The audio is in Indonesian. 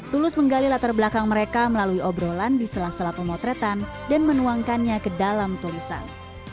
tulus menggali latar belakang mereka melalui obrolan di sela sela pemotretan dan menuangkannya ke dalam tulisan